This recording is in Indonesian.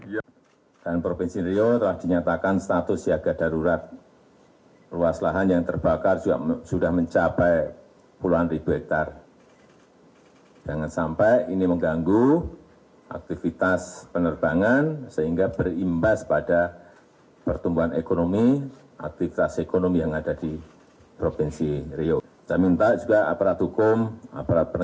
jokowi menambahkan bila perangkat ini diaktifkan dengan baik maka titik api sekecil apapun akan bisa segera ditemukan